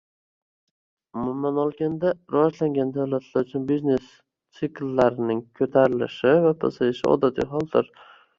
Umuman olganda, rivojlangan davlatlar uchun biznes tsikllarining ko'tarilishi va pasayishi odatiy holdir